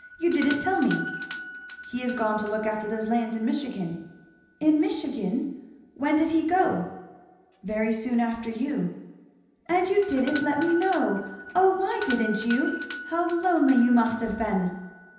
you didn't tell me." "He is gone to look after those lands in Michigan." "In Michigan! When did he go?" "Very soon after you." "And you didn't let me know! O why didn't you? How lonely you must have been."